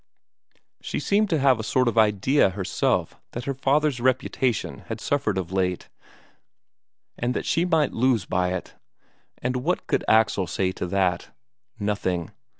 She seemed to have a sort of idea herself that her father's reputation had suffered of late, and that she might lose by it. And what could Axel say to that? Nothing.